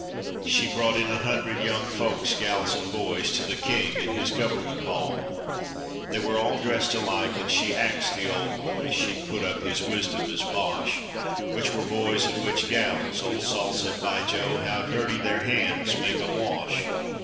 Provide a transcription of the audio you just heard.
She brought in a hundred young folks, gals an' boys, To the king in his government hall. They were all dressed alike, an' she axed the old boy (She'd put up his wisdom as bosh) Which war boys an' which gals. Old Sol said, 'By Joe, How dirty their hands! Make 'em wash!